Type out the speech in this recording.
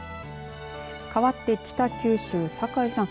かわって北九州、酒井さん。